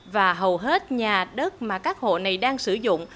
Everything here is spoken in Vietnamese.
và hầu hết nhà đất mà các hộ này đang sử dụng